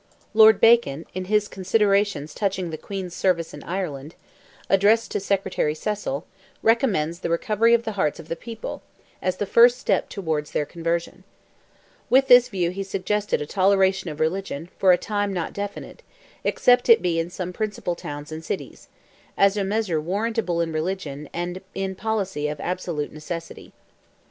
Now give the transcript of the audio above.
Lord Bacon, in his "Considerations touching the Queen's Service in Ireland," addressed to Secretary Cecil, recommends "the recovery of the hearts of the people," as the first step towards their conversion. With this view he suggested "a toleration of religion (for a time not definite), except it be in some principal towns and cities," as a measure "warrantable in religion, and in policy of absolute necessity."